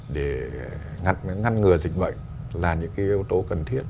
để ngăn ngừa dịch bệnh là những cái yếu tố cần thiết